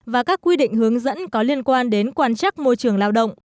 và các quy định hướng dẫn có liên quan đến quan trắc môi trường lao động